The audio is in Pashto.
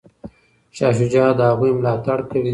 شاه شجاع د هغوی ملاتړ کوي.